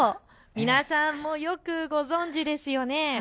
皆さんもよくご存じですよね。